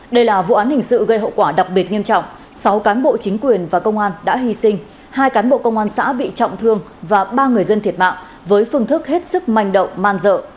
đây là vụ án hình sự gây hậu quả đặc biệt nghiêm trọng sáu cán bộ chính quyền và công an đã hy sinh hai cán bộ công an xã bị trọng thương và ba người dân thiệt mạng với phương thức hết sức manh động man dợ